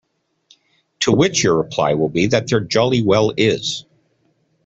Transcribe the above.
To which your reply will be that there jolly well is.